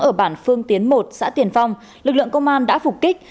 ở bản phương tiến một xã tiền phong lực lượng công an đã phục kích